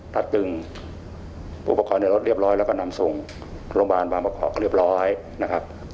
ตักตึงอุปกรณ์ในรถเรียบร้อยแล้วก็นำส่งโรงพยาบาลบางมะขอก็เรียบร้อยนะครับ